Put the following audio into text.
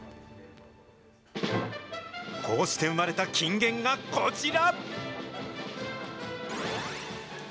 こうして生まれた金言がこちら。